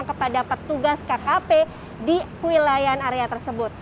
kepada petugas kkp di wilayah indonesia